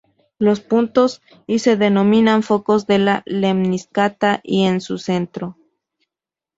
Los puntos y se denominan focos de la lemniscata, y es su centro.